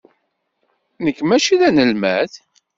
Nekk mačči d anelmad.